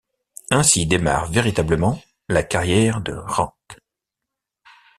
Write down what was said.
Ainsi démarre véritablement la carrière de Ranc.